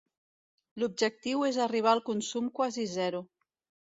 L'objectiu és arribar al consum quasi zero.